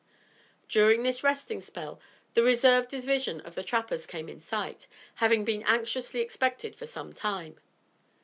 During this resting spell, the reserve division of the trappers came in sight, having been anxiously expected for some time.